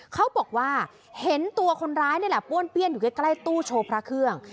เขาบอกว่าเห็นตัวคนร้ายนี่แหละป้วนเปี้ยนอยู่ใกล้ตู้โชว์พระเครื่อง